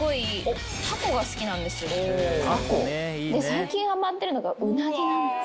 最近ハマってるのがうなぎなんです。